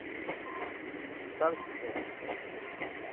Sabes que queres.